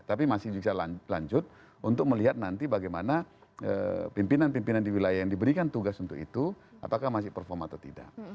tapi masih bisa lanjut untuk melihat nanti bagaimana pimpinan pimpinan di wilayah yang diberikan tugas untuk itu apakah masih perform atau tidak